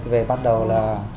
về bắt đầu là